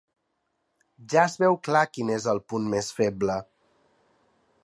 Ja es veu clar quin és el punt més feble.